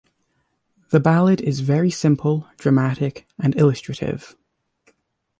The ballad is very simple, dramatic and illustrative.